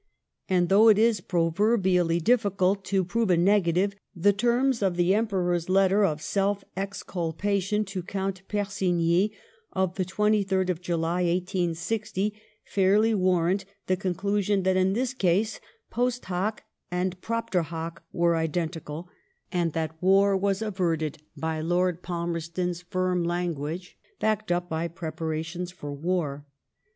And though it is proyerbially difficult to prbve a negative, the terms of the Emperor's letter of self exculpation to Count Per* signy of the 23rd of July 1860 fairly warrant the con* cinsion that in this case post hoc and propter hoc were identical, and that war was averted by Lord Palmerston's firm language, backed up by preparations for war.